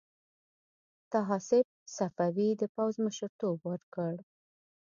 طاهاسپ صفوي د پوځ مشرتوب ورکړ.